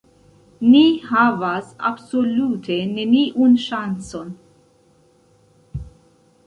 Ni havas absolute neniun ŝancon.